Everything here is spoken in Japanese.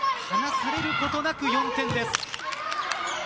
離されることなく４点です。